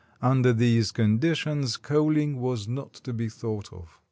Under these condi tions coaling was not to be thought of.